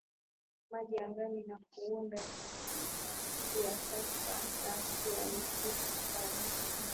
maji angani na kuunda asidi ya salfa na asidi ya nitriki ambayo